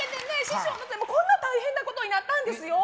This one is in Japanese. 師匠のせいでもうこんな大変なことになったんですよ。